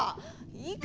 いいか？